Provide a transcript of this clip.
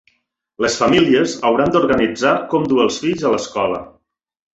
Les famílies hauran d'organitzar com dur els fills a l'escola.